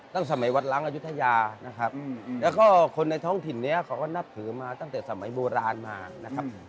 ตั้งแต่สมัยวัดล้างอายุทยานะครับแล้วก็คนในท้องถิ่นนี้เขาก็นับถือมาตั้งแต่สมัยโบราณมานะครับ